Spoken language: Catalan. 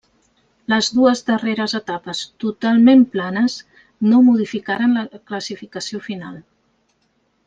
Les dues darreres etapes, totalment planes, no modificaren la classificació final.